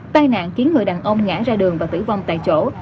tai nạn khiến người đàn ông ngã ra đường và tử vong tại chỗ